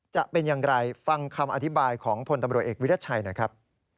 จะเป็นอย่างไรฟังคำอธิบายของพลตำรวจเอกวิรัชชัยหน่อยครับ